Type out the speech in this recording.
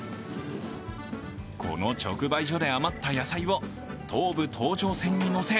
この直売所で余った野菜を東武東上線に載せ